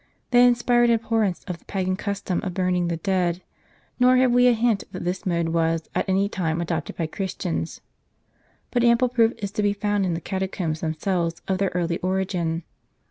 They inspired abhorrence of the pagan custom of burning the dead ; nor have we a hint that this mode was, at any time, adopted by Christians. But ample proof is to be found in the catacombs them selves, of their early origin.